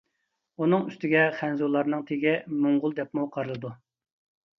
ئۇنىڭ ئۈستىگە خەنزۇلارنىڭ تېگە موڭغۇل دەپمۇ قارىلىدۇ.